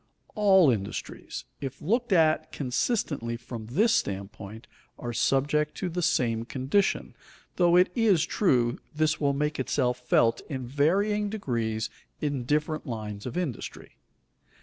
All industries, if looked at consistently from this standpoint, are subject to the same condition, though it is true this will make itself felt in varying degrees in different lines of industry.